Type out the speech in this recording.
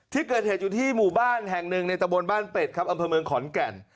ที่เกิดเหตุอยู่ที่หมู่บ้านแห่งหนึ่งในตะบนบ้านเป็ดครับอำเภอเมืองขอนแก่น